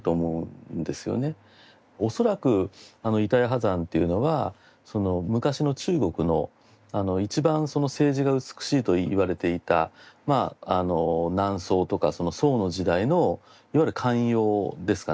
恐らく板谷波山っていうのは昔の中国の一番その青磁が美しいといわれていた南宋とかその宋の時代のいわゆる官窯ですかね